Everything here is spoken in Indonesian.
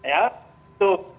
nah ya itu